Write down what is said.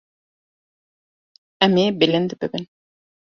Em ê bilind bibin.